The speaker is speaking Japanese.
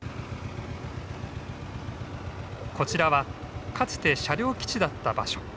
こちらはかつて車両基地だった場所。